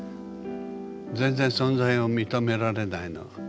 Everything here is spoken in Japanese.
全然存在を認められないの。